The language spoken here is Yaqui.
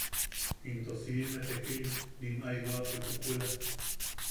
Into siʼime tekilim nim jaiwapo chukula.